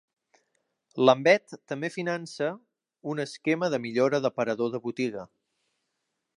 Lambeth també finança un esquema de millora d'aparador de botiga.